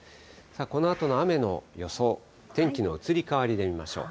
このあとの雨の予想、天気の移り変わりで見ましょう。